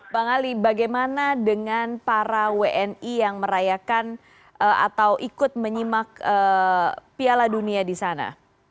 bang ali bagaimana dengan para wni yang merayakan atau ikut menyimak piala dunia di sana